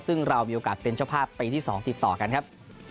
ซึ่งเรามีโอกาสเป็นเจ้าภาพปีที่๒ติดต่อกันครับ